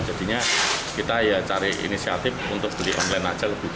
jadinya kita cari inisiatif untuk beli online saja